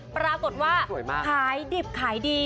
ปรากฏว่าขายดิบขายดี